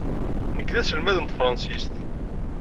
Nekk d aselmad n tefṛansist.